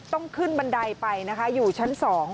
ต้องขึ้นบันไดไปนะคะอยู่ชั้น๒